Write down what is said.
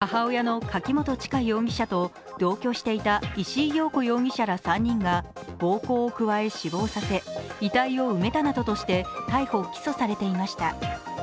母親の柿本知香容疑者と同居していた石井陽子容疑者ら３人が暴行を加え死亡させ、遺体を埋めたなどとして逮捕・起訴されていました。